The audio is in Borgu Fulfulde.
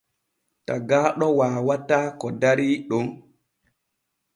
Tagaaɗo waawataa ko darii ɗon.